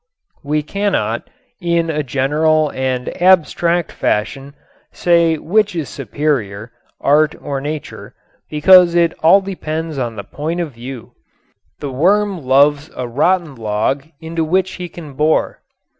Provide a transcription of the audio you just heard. We cannot, in a general and abstract fashion, say which is superior, art or nature, because it all depends on the point of view. The worm loves a rotten log into which he can bore.